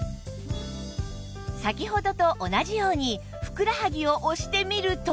先ほどと同じようにふくらはぎを押してみると